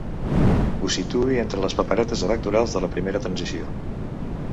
Ho situï entre les paperetes electorals de la primera transició.